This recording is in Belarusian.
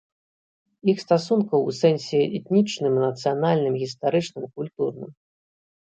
Іх стасункаў у сэнсе этнічным, нацыянальным, гістарычным, культурным.